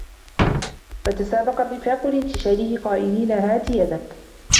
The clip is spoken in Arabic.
فتسابق الرفاق لانتشاله قائلين هات يدك